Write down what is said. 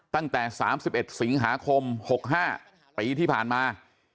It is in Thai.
ตั้งแต่๓๑สิงหาคม๖๕ปีที่ผ่านมา